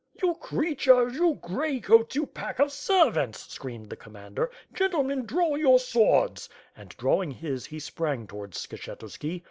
"You creatures, you grey coats, you pack of servants, screamed the command er. "Gentlemen, draw your swords," and, drawing his, he sprang towards Skshetuski.